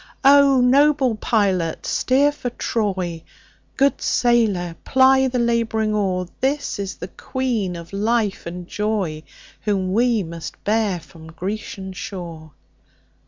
O noble pilot steer for Troy, Good sailor ply the labouring oar, This is the Queen of life and joyWhom we must bear from Grecian shore!